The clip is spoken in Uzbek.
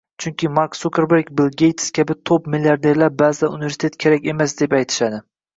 Chunki Mark Sukerberg, Bill Geyts kabi top-milliarderlar baʼzida universitet kerak emas deb aytishadi.